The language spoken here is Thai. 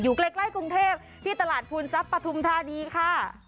ใกล้กรุงเทพที่ตลาดภูนทรัพย์ปฐุมธานีค่ะ